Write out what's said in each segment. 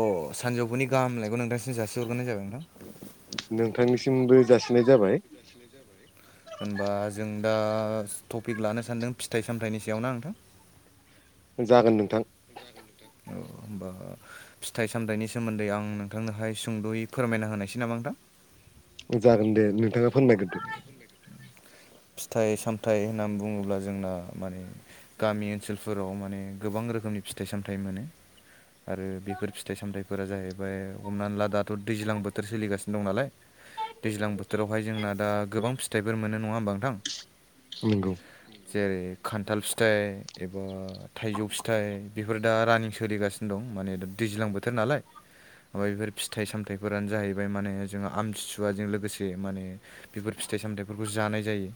अ सानजौफुनि गाहामलायखौ नोंथांसिम जासिहरग्रोनाय जाबाय नोंथां ‌ नोंथांनिसिमबो जासिनाय जाबाय ‌ होनबा जों दा टपिक लानो सान्दों फिथाइ सामथायाइनि सायाव ना नोंथां। जागोन नोंथां। [inaudible] औ होनबा फिथाइ सामथायाइनि सोमोन्दै आं नोंथांनोहाय सुंदयै फोरमाय ना होनायसै नामा नोंथां। जागोन दे नोंथाङा फोरमाय ग्रोदो। फिथाइ सामथाइ होननानै बुङोब्ला जोंना माने गामि ओनसोलफोराव माने गोबां रोखोमनि फिथाइ सामथायाइ मोनो। आरो बेफोर फिथाइ सामथायाइफोरा जाहैबाय हमनानै ला दाथ दैज्लां बोथोर सोलिगासिनो दं नालाय दैज्लां बोथोरावहाय जोंना दा गोबां फिथाइफोर मोन नङा होमबा। नोंथां नंगौ जेरै खान्थाल फिथाइ एबा थाइजौ फिथाइ बेफोर दा रानिं सोलिगासिनो सिनो दं माने दैज्लां बोथोर नालाय मा बेफोर फिथाइ सामथाइफोरानो जाहैबाय माने जोो आमथिसुवाजों लोगोसे माने बेफोर फिथाइ सामथाइफोरखौ जानाय जायो।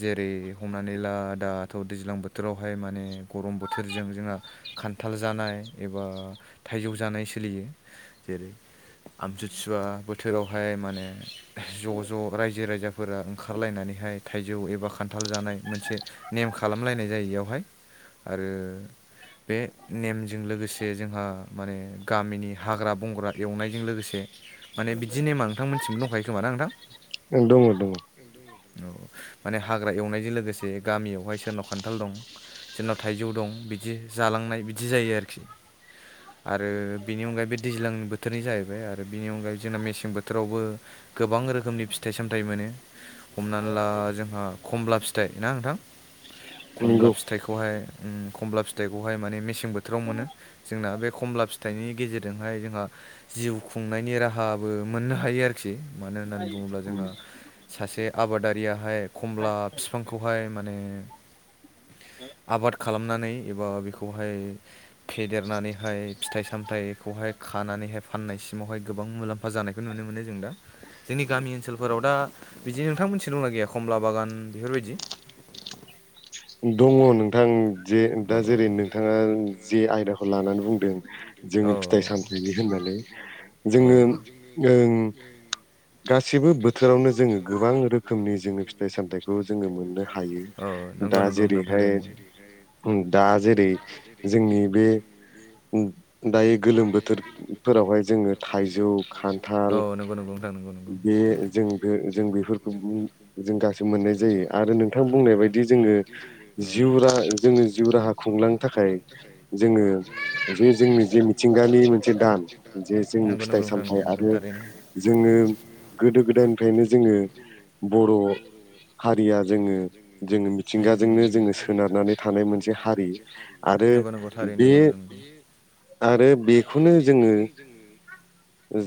जेरै हमनानै ला दाथ दैज्लां बोथोरावहाय माने गरम बोथोरजों जोंहा खान्थाल जानाय एबा थाइजौ जानाय सोलियो जेरै आमथिसुवा बोथोरावहाय माने ज' ज' रायजो राजाफोरा ओंखारलायनानैहाय थाइजौ एबा खान्थाल जानाय मोनसे नेम खालामलायनाय जायो बेयावहाय आरो बे नेमजों लोगोसे जोंहा माने गामिनि हाग्रा बंग्रा एवनायजों लोगोसे माने बिदि नेमा नोंथांमोनथिबो दंखायो खोमा ना नोंथां? ओं दङ दङ। औ माने हाग्रा एवनायजों लोगोसे गामियावहाय सोरनाव खान्थाल दं जोंनाव थाइजौ दं बिदि जालांनाय बिदि जायो आरोखि आरो बेनि अनगायै बे दैज्लांनि बोथोरनि जाहैबाय आरो बिनि अनगायै जोंना मेसें बोथोरावबो गोबां रोखोमनि फिथाइ सामथाइ मोनो हमनानै ला जोंहा खमला फिथाइ ना नोंथां खमला नंगौ फिथाइखौहाय उम खमला फिथाइखौहाय माने मेसें बोथोराव मोनो जोंना बे खम ला फिथाइनि गेजेरजोंहाय जोंहा जिउ खुंनायनि राहाबो मोननो हायो आरोखि मानो होना उम सासे आबादारियाहाय खमला फिफांखौहाय माने आबाद खालामनानै एबा बेखौहाय फेदेरनानैहाय फिथाइ सामथायाइखौहाय खानानैहाय फाननायसिमावहाय गोबां मुलाम्फा जानायखौ नुनो मोनो जों दा जोंनि गामि ओनसोलफोराव दा बिदि नोंथांमोननिथिं दंना गैया खमला बागान उम बेफोरबायदि [inaudible] दङ नोंथां जे औ दा जेरै नोंथाङा जे आयदाखौ लानानै बुंदों जोङो फिथाइ सामथायाइनि होननानै जोङो होननानै ओं गासैबो बोथोरावनो जोङो गोबां रोखोमनि जोङो फिथाइ सामथाइखौ जोङो मोननो हायो। औ दा नंगौ नंगौ नोंथां जेरैहाय थारैनो दा जेरै जोंनि बे दायो गोलोम बोथोरफोरावहाय जोङो थाइजौ, औ खान्थाल नंगौ नंगौ नोंथां नंगौ नंगौ बे जों जों बेफोरखौ जों गासो मोननाय जायो आरो नोंथां बुंनाया बादि जोङो औ जिउ राहा जोङो जिउ राहा खुंलांनो थाखाय जोङो जे जोंनि जे मिथिं गालनि मोनसे दान जे जोंनि नंगौ फिथाइ नंगौ नोंथां सामथाइ नंगौ नंगौ आरो थारैनो जोङो गोदो गोदायनिफ्रायनो जोङो बर' हारिया जोङो जोङो मिथिंगाजोंनो जोङो सोनारनानै थानाय मोनसे हारि आरो नंगौ नंगौ थारैनो बे नंगौ नंगौ नंगौ आरो बेखौनो जोङो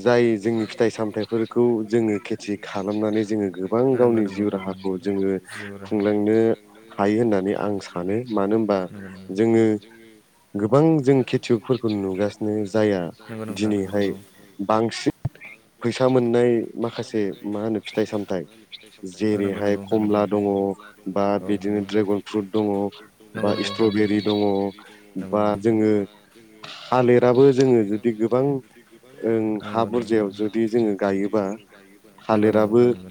जाय जोंनि फिथाइ सामथाइफोर खौ जोङो खेथि खालामनानै जोङो गोबां गावनि जिउ राहाखौ जोङो खुंलांनो हायो होननानै आं सानो मानो होनबा जोङो गोबां जों खेथियकफोरखौ नुगासिनो जाया दिनैहाय बांसिन फैसा मोन नाय माखासे मा होनो फिथाइ सामथ जेरैहाय कमला दङ बा औ [unintelligible] बिदिनो ड्रेगन फ्रुट दङ बा नंगौ नंगौ [unintelligible] नोंथां स्ट्रबेरि दङ जोङो दाबो जोङो जुदि गोबां ओं हा बुरजायाव जुदि जोङो गायो [unintelligible] नंगौ नंगौ नोंथां नंगौ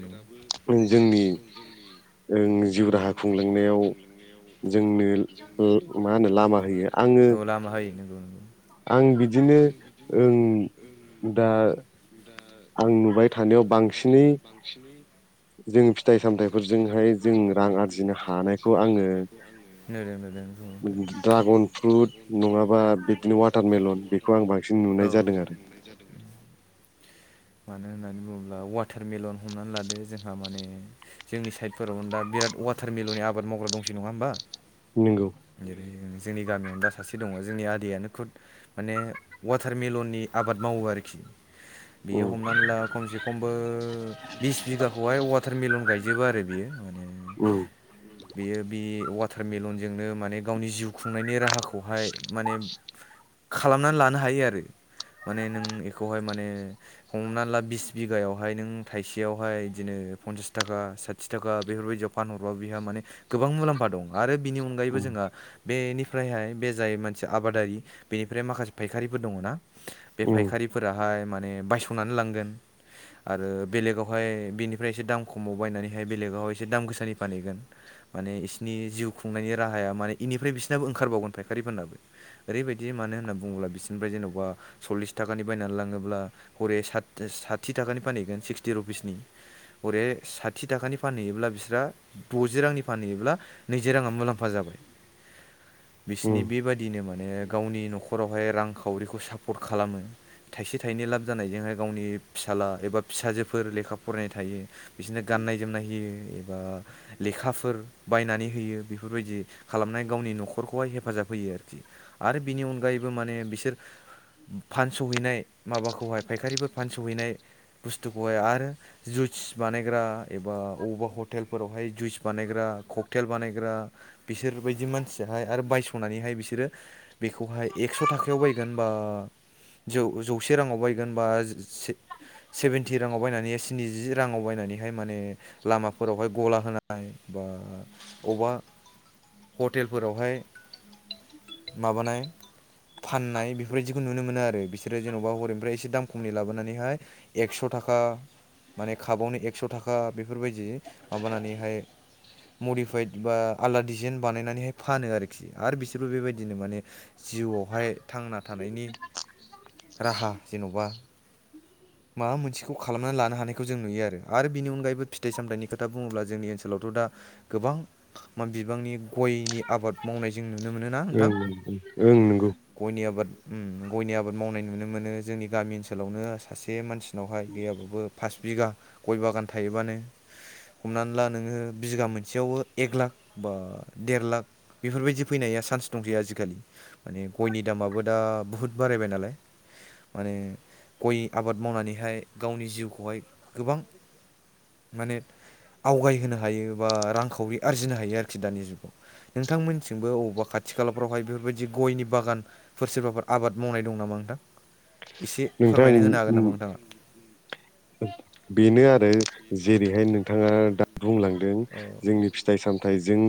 जोंनि [unintelligible] ओं जिउ राहा खुंलांनायाव जोंनो ओ मा होनो लामा होयो आङो नंगौ नंगौ आं बिदिनो ओं दा आं नुबाय थानायाव बांसिनै जों फिथाइ सामथाइफोरजोंहाय जों रां आरजिनो हानायखौ आङो [unintelligible] ड्रागन फ्रुट नङाबा बिदिनो वाटार [unintelligible] औ मोननाय जादोंमोन मानो होननानै बुङोब्ला वाटारमेलन हमनानै लादो जोंहा माने जोंनि साइडफोरावनो दा बिराद वाटार मिलननि आबाद मावग्रा दंसै नङा होनबा? नंगौ जेरै जोंनि गामियावनो दा सासे दङ जोंनि आदैयानो खुद माने वाटारमेलननि आबाद मावो आरोखि बेयो उम हमनानै ला खमसे खमबो बिस बिगाखौहाय वाटारमेलन गायजोबो आरो बियो माने उम बेयो बे वाटारमेलनजोंनो माने गावनि जिउ खुंनायनि राहाखौ खौहाय माने खालामनानै लानो हायो आरो माने नों इखौहाय माने हमना ला बिस बिगायावहाय नों थाइसेयावहाय इदिनो फनसास थाखा साथि थाखा बेफोरबायदियाव फानहरबा बिहा माने गोबां मलामफा दं आरो बिनि अनगायैबो उम जोंहा बेनिफ्रायहाय बे जाय मोनसे आबादारि बेनिफ्राय माखासे फायखारिफोर दङ ना बे उम फायखारिफोराहाय माने बायसनानै लांगोन आरो बेलेगावहाय बेनिफ्राय एसे दाम खमाव बायनानैहाय बेलेगावहाय एसे दाम गोसानि फानहैगोन माने इसनि जिउ खुंनायनि राहाया माने इनिफ्राय बिसोरनाबो ओंखारबावगोन फायखारिफोरनाबो ओरैबाय दि मानो होनना बुङोब्ला बिसोरनिफ्राय जेन'बा सललिस थाखानि बायनानै लाङोब्ला हरै साथ साथि थाखानि फानहैगोन सिक्सटि रुपिसनि हरे साथि थाखानि फानहैयोब्ला बिसोरहा द'जि रांनि फानहैयोब्ला नैजि राङा मुलाम्फा जाबाय उम बिसिनि बेबादिनो माने गावनि न'खरावहाय रांखावरिखौ सापर्ट खालामो थाइसे थाइनै लाब जानायजोंहाय गावनि फिसाला एबा फिसाजोफोर लेखा फरायनाय थायो बिसोरनो गाननाय जोमनाय होयो एबा लेखाफोर बायनानै होयो बेफोरबायदि खालामनाय गावनि न'खरखौहाय हेफाजाब फैयो आरोखि आरो बिनि अनगायैबो माने बिसोर फानस'हैनाय माबाखौहाय फायखारिफोर फानस'हैनाय बुस्थुखौहाय आरो जुइस बानायग्रा एबा अबावबा हटेलफोरावहाय जुइस बानायग्रा ककथेल बानायग्रा बिसोर बदि मानसियाहाय आरो बायस'नानैहाय बिसोरो बेखौहाय एक्स' थाखायाव बायगोन बा जौ जौसे राङाव बायगोन बा जि जिसे सेभेन्टि राङाव बायनानै एस नैजि राङाव बायनानैहाय माने लामाफोरावहाय गला होनाय बा अबा हटेलफोरावहाय माबानाय फाननाय बेफोरबायदिखौ नुनो मोन मोनो आरो बिसोरो जेन'बा हरैनिफ्राय एसे दाम खमनि लाबोनानैहाय एकस' थाखा माने खाबावनो एक्स' थाखा बेफोरबायदि माबानानैहाय मडिफाइद बा आलदा डिजाइन बानायनानैहाय फानो आरोखि आरो बिसोरबो बेबायदि दिनै माने जिउआवहाय थांना थानायनि राहा जेन'बा माबा मोनसेखौ खालामनानै लानो हानायखौ जों नुयो आरो बिनि अनगायैबो फिथाइ सामथाइनि खोथा बुङोब्ला जोंनि ओनसोलावथ' दा गोबां बिबांनि गयनि आबाद मावनाय जों नुनो मोनोना नोंथां ओं ओं नंगौ गयनि आबाद- ओम गयनि आबाद मावनाय नुनो मोनो जोंनि गामि ओनसोलावनो। सासे मानसिनावहाय गैयाबाबो फास बिगा गय बागान थायोबानो हमनानै ला नोङो बिगा मोनसेयावबो एक लाख बा देर लाख बेफोरबायदि फैनाय या सान्स दंसै आजिखालि माने गयनि दामाबो दा बुहुत बारायबाय नालाय। माने गय आबाद मावनानैहाय गावनि जिउखौहाय गोबां माने आवगायहोनो हायो बा रांखावरि आरजिनो हायो आरोखि दानि जुगाव नोंथांमोननिथिंबो अबावबा खाथि खालाफ्रावहाय बेफोरबायदि गयनि बागानफोर सोरबाफोर आबाद मावनाय दं नामा नोंथां। एसे फोरमाय [unintelligible] बेनो आरो जेरैहाय नोंथाङा दा बुंलांदों औ जोंनि फिथाइ सामथाइजों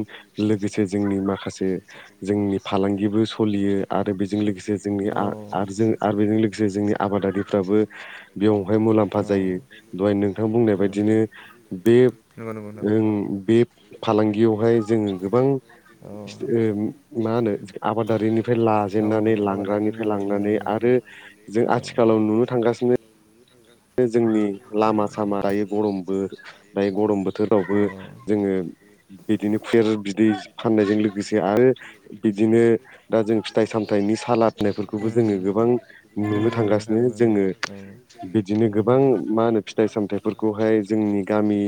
लोगोसे जोंनि माखासे जोंनि फालांगिबो सलियो आरो बेजों लोगोसे जोंनि आरो बेजों लोगोसे जोंनि आबादारिफ्राबो बेयाव बेवहाय मुलाम्फा जायो दहाय नोंथां बुंनाय बायदिनो बे बुंनाय ओ बे फालांगियावहाय जो गोबां [unintelligible] मा होनो आबादारिनिफ्राय लाजेननानै लांग्रानिफ्राय लांनानै आरो जों आथि खालाव नुनो थांगासिनो जोंनि लामा सामा दायो गरमबो दायो गरमबो फोरावबो लाइमोन जोङो बिदिनो खुसेर बिदै फाननायजों लोगोसे आरो बिदिनो दा जों फिथाइ सामथाइनि दा जों फिथाइ सामथाइखौ सारा होननायखौ नंगौ नोंथां नंगौ औ बिदिनो सालाद होननायफोरखौबो जोङो गोबां नुनो थांगासिनो जों ङो बिदिनो गोबां मा होनो फिथाइ सामथाइफोरखौ हाय जोंनि गामि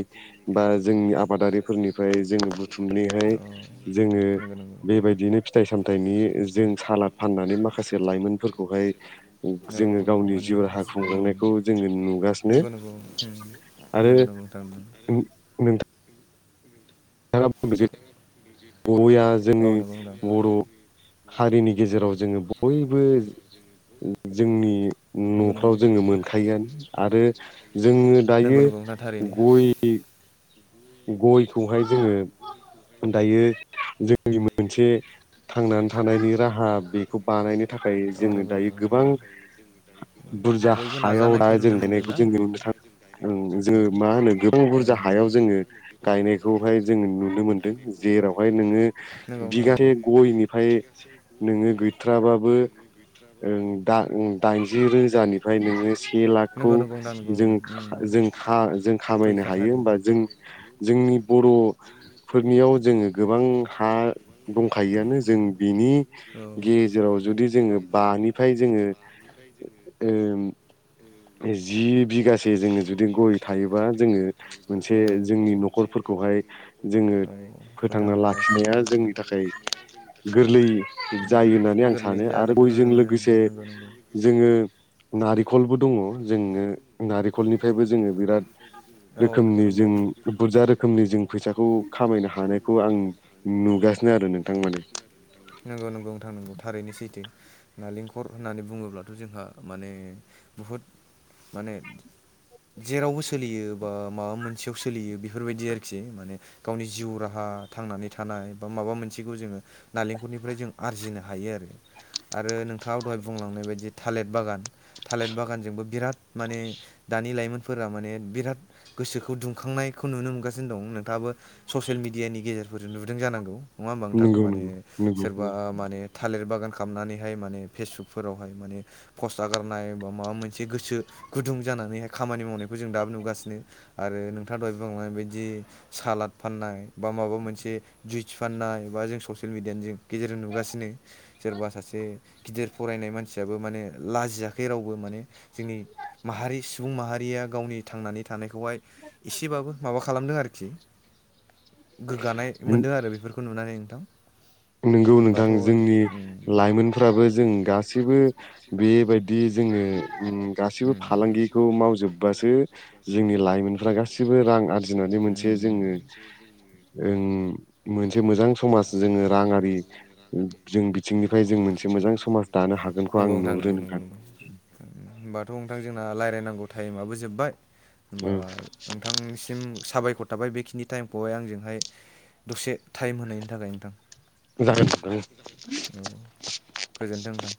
बा जोंनि आबादारिफोरनिफ्राय जोङो बुथुमनै हाय जोङो बेबायदिनो फिथाइ सामथनि जों सालाद फाननानै माखासे लाइमोनफोरखौहाय जोङो गावनि जिउ राहा खुंलांनाय [inaudible] नगौ नगौ ओम आरो नगौ नगौ नोंथां। [inaudible] नोंथाङा [unintelligible] [unintelligible] जोङो औ बर' हारिनि गेजेराव जोङो बयबो। [unintelligible] जोंनि नंगौ न'फ्राव जोङो मोनखायोआनो आरो जोङो दायो गय गयखौ हाय जोङो दायो जोंनि मोनसे थांनानै थानायनि राहा बेखौ बानायनो थाखाय औ जोङो नंगौ दायो नंगौ गोबां नंगौ हा बुरजा बयबो हायाव दा नाजानायखौ नुनो मोनदोंना देनायखौ जों नुनो थाङो। ओं जोङो मा होनो गोबां बुरजा नुबोदों हायाव जोङो गायनायखौहाय जोंङो नुनो मोनदों। जेरावहाय नोङो बिगासे गयनिफ्राय नोङो गैथाराबाबो ओं दा-दाइनजि रोजानिफ्राय नोङो से लाखखौ जों खा- जों खा जों खामायनो हायो होमबा जों जोंनि बर'फोरनियाव जोङो गोबां हा दंखायोआनो। जों बिनि गेजेराव जुदि जोङो बानिफ्राय जोङो ओ जि बिघासे जोङो जुदि गय थायोबा जोङो मोनसे औ जों जोंनि न'खरफोरखौहाय जोङो औ फोथांना लाखिनाया लाखिनायाव ओं जोंनि थाखाय गोरलै उम जायो होननानै आं गोरलै सानो आरो जानायखौ गयजों नुनो मोनो ओं लोगोसे नंगौ नंगौ जोङो नारेखलबो दङ। जोङो नारखलनिफ्रायबो जोङो बिराद दङ जोङो नारेंखलनिफ्रायबो जोङो औ नंगौ रोखोमनि जों। बुरजा रोखोमनि जों फैसाखौ खामायनो हानायखौ आं नुगासिनो आरो नोंथां माने। नंगौ नंगौ नोंथां नंगौ थारैनो सैथो। नालेंखर होननानै बुङोब्लाथ' जोंहा माने बहुद माने जेरावबो स- सोलियो बा माबा मोनसेयाव सोलियो बेफोरबायदि आरोखि। माने गावनि जिउ राहा थांनानै थानाय नाय बा मा मोनखौ जोङो नालेंखनिफ्राय जों आरजिनो हायो आरो। आरो नोंथाङा दहाय बुंलांनाय बायदि थालिर बागान थालिर बागानजोंबो बिराद माने दानि लाइमोनफोरा माने बिराद गोसोखौ दुंखांनायखौ नुनो मोनगासिनो दं। नोंथाङाबो ससियेल मेडियानि गेजेरफोर नुदों जानांगौ। नङा होमबा नोंथां। नंगौ माने नंगौ सोरबा नंगौ माने थालिर बागान खालाम खालामनानै हाय माने फेसबुकफोरावहाय मान फस्ट आगारनाय बा माबा मोनसे थि गोसो गुदुं जानानैहाय खामानि मावनायखौ जों दाबो नुगासिनो आरो नोंथाङा दहाय बांनायबायदि सालाद फाननाय बा माबा मोनसे। जुइस फाननाय बा जों ससियेल मिडियानि जों गेजेरजों नुगासिनो सोरबा सासे गिदिर फरायनाय मानसियाबो माने लाजियाखै रावबो माने। जोंनि माहारि सुबुं माहारिया गावनि थांनानै था- थानायखौहाय एसेबाबो माबा खालामदों आरोखि। गोग्गानाय मोनदों आरो बेफोरखौ नुनानै नोंथां। नंगौ नोंथां होनबाथ' नंगौ जोंनि नोंथां जोंनि लाइमोनफ्राबो जों गासैबो बेबायदि जोङो ओम गासिबो फालांगिखौ मावजोबबासो जोंनि लाइमोनफ्रा गासिबो रां आरजिना जे मोनसे जोङो ओं मोनसे मोजां समाज जोङो [inaudible] रा- जोंनो रांआरि माने [inaudible] जों मोनसे मोजां बिथिंनिफ्राय समाज जोंनो एसे दानो मोजां सम हागोनखौ आं नांगौ। नंगौथां नुहुरो नंगौ नंगौ नोंथां नंगौ ओमबा- थ' नोंथां जोंना रायज्लायनांगौ टाइमाबबो जोब्बाय ओ होमबा नोंथांनिसिम साबायखर थाबाय बेखिनि टाइमखौहाय आंजोंहाय दसे टाइम होनायनि थाखाय नोंथां। जागोन नोंथां औ गोजोनथों नोंथां।